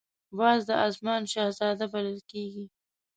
باز د آسمان شهزاده بلل کېږي